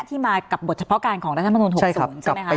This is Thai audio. ที่มากับบทเฉพาะการของรัฐมนุน๖๐ใช่ไหมคะ